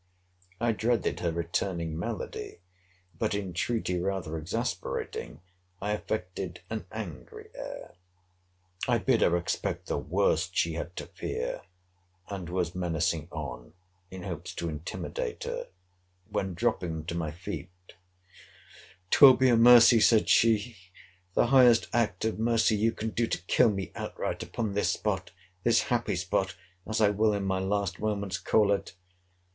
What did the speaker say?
I dreaded her returning malady: but, entreaty rather exasperating, I affected an angry air.—I bid her expect the worst she had to fear—and was menacing on, in hopes to intimidate her; when, dropping to my feet, 'Twill be a mercy, said she, the highest act of mercy you can do, to kill me outright upon this spot—this happy spot, as I will, in my last moments, call it!